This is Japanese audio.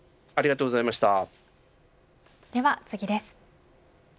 では次です。